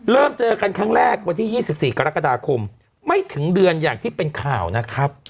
เริ่มเจอกันครั้งแรกวันที่๒๔กรกฎาคมไม่ถึงเดือนอย่างที่เป็นข่าวนะครับ